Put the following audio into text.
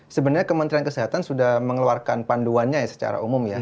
sebenarnya kementerian kesehatan sudah mengeluarkan panduannya ya secara umum ya